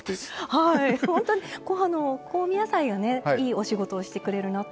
ほんとに香味野菜がいいお仕事をしてくれるなと。